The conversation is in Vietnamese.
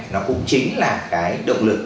nó cũng chính là cái động lực